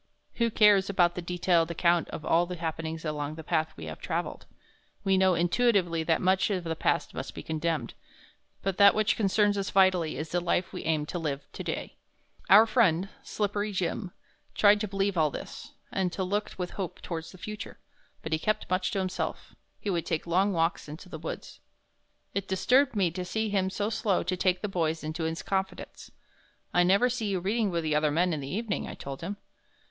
Who cares about the detailed account of all the happenings along the path we have traveled? We know intuitively that much of the past must be condemned, but that which concerns us vitally is the life we aim to live to day. Night closes on the sorrows of yesterday. Dawn is radiant with the promise of a better day. Our friend, "Slippery Jim," tried to believe all this, and to look with hope towards the future, but he kept much to himself. He would take long walks into the woods. It disturbed me to see him so slow to take the boys into his confidence. "I never see you reading with the other men in the evening," I told him.